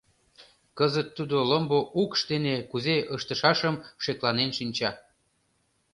Кызыт тудо ломбо укш дене кузе ыштышашым шекланен шинча.